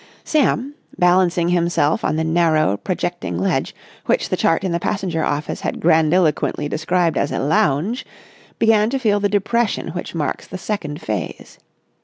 Sam, balancing himself on the narrow, projecting ledge which the chart in the passenger office had grandiloquently described as a lounge, began to feel the depression which marks the second phase.